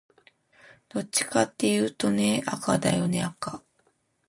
どっちかっていうとね、赤だよね赤